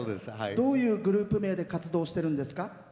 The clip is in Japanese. どういうグループ名で活動してるんですか？